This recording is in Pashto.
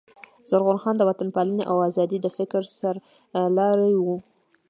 زرغون خان د وطن پالني او آزادۍ د فکر سر لاری وو.